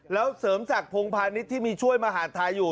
แล้วเสริมสตากพงพานิกที่มีช่วยมหาสไทยอยู่